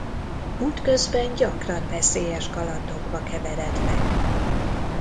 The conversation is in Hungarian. Útközben gyakran veszélyes kalandokba keverednek.